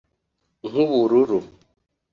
nk’ubururu